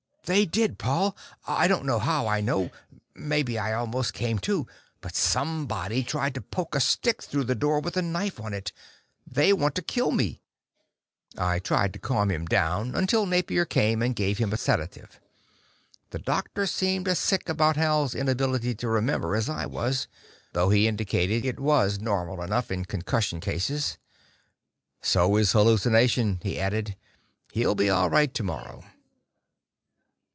"They did, Paul. I don't know how I know maybe I almost came to but somebody tried to poke a stick through the door with a knife on it. They want to kill me." I tried to calm him down until Napier came and gave him a sedative. The doctor seemed as sick about Hal's inability to remember as I was, though he indicated it was normal enough in concussion cases. "So is the hallucination," he added. "He'll be all right tomorrow."